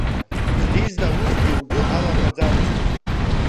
Зиза усгьы лгәы алаҟаӡамызт.